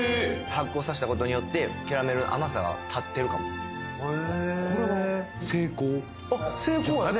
発酵さしたことによってキャラメルの甘さが立ってるかもへえーあっ成功やね